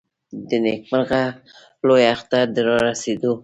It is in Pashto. د نېکمرغه لوی اختر د رارسېدو .